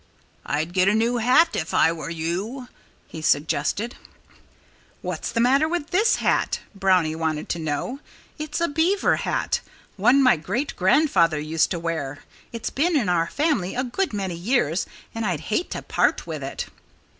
"I'd get a new hat if I were you," he suggested. "What's the matter with this hat?" Brownie wanted to know. "It's a beaver hat one my great grandfather used to wear. It's been in our family a good many years and I'd hate to part with it."